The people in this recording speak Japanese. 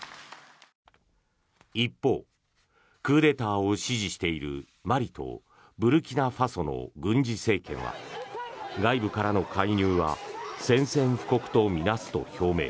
一方、クーデターを支持しているマリとブルキナファソの軍事政権は外部からの介入は宣戦布告と見なすと表明。